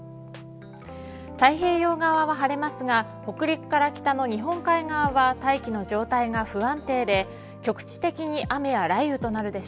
太平洋側は晴れますが北陸から北の日本海側は大気の状態が不安定で